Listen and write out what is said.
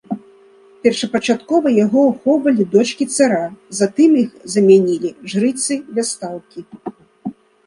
Першапачаткова яго ахоўвалі дочкі цара, затым іх замянілі жрыцы-вясталкі.